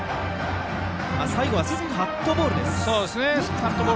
最後はカットボールです。